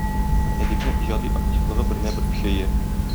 Әдипнең иҗади активлыгы бермә-бер көчәя.